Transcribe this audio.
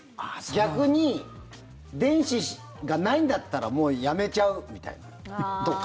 逆に電子がないんだったらもうやめちゃうみたいな、とか。